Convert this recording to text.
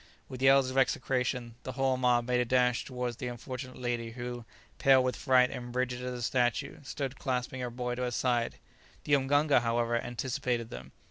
With yells of execration the whole mob made a dash towards the unfortunate lady who, pale with fright and rigid as a statue, stood clasping her boy to her side. The mganga, however, anticipated them.